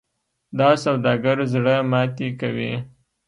دا سوداګر زړه ماتې کوي.